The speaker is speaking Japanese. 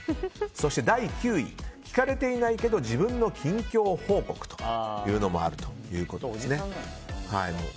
そして第９位聞かれていないけど自分の近況報告というのもあるということです。